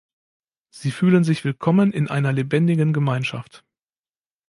Sie fühlen sich willkommen in einer lebendigen Gemeinschaft.